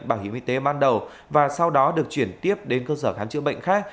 bảo hiểm y tế ban đầu và sau đó được chuyển tiếp đến cơ sở khám chữa bệnh khác